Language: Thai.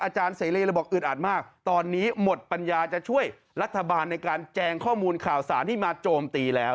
อาจารย์เสรีเลยบอกอึดอัดมากตอนนี้หมดปัญญาจะช่วยรัฐบาลในการแจงข้อมูลข่าวสารที่มาโจมตีแล้ว